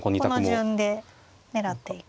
この順で狙っていく。